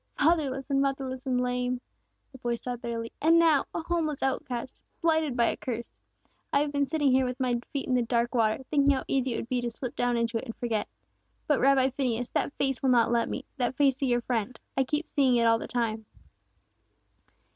"Fatherless and motherless and lame!" the boy sobbed bitterly. "And now, a homeless outcast, blighted by a curse, I have been sitting here with my feet in the dark water, thinking how easy it would be to slip down into it and forget; but, Rabbi Phineas, that face will not let me, that face of your friend, I keep seeing it all the time!"